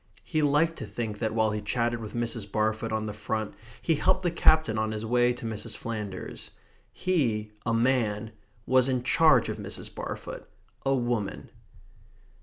He liked to think that while he chatted with Mrs. Barfoot on the front, he helped the Captain on his way to Mrs. Flanders. He, a man, was in charge of Mrs. Barfoot, a woman.